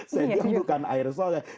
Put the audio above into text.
saya bilang bukan air soleh